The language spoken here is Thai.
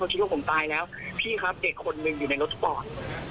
คิดว่าผมตายแล้วพี่ครับเด็กคนหนึ่งอยู่ในรถทุกปอร์ต